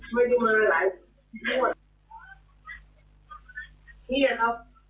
ไม่ดูมาหลายพวก